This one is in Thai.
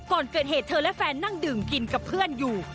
ก่อนเกิดเหตุเธอและแฟนนั่งดื่มกินกับเพื่อนอยู่